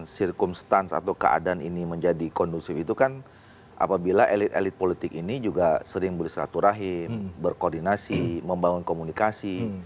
sirkumstans atau keadaan ini menjadi kondusif itu kan apabila elit elit politik ini juga sering bersilaturahim berkoordinasi membangun komunikasi